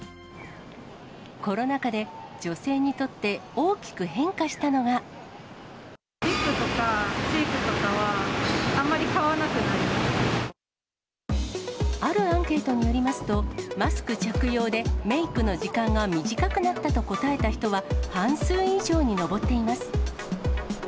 コロナ禍で女性にとって大きリップとかチークとかは、あるアンケートによりますと、マスク着用で、メークの時間が短くなったと答えた人は、半数以上に上っています。